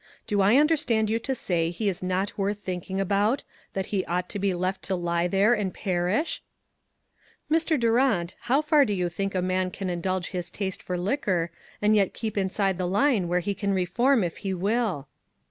Do I understand you to say he is not worth thinking about ; that he ought to be left to lie there and perish ?" "Mr. Durant, how far do you think a man can indulge his taste for liquor, and yet keep inside the line where he" can re form if he will?"